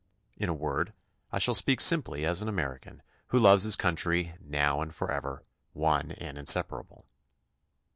In a word, I shall speak simply as an American who loves his country "now and forever, one and insepa rable."